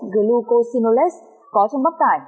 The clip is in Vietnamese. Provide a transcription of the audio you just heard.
glucosinolase có trong bắp cải